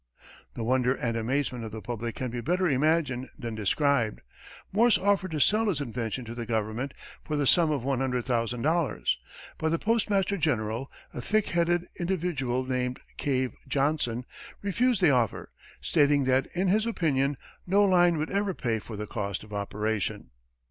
The wonder and amazement of the public can be better imagined than described. Morse offered to sell his invention to the government for the sum of $100,000, but the Postmaster General, a thickheaded individual named Cave Johnson, refused the offer, stating that in his opinion, no line would ever pay for the cost of operation!